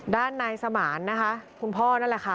ด้านนายสมานนะคะคุณพ่อนั่นแหละค่ะ